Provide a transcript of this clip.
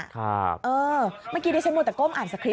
ครับเออเมื่อกี้เนี่ยฉันหมุนแต่ก้มอ่านสคริป